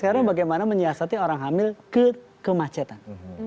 karena bagaimana menyiasati orang hamil ke kemacetan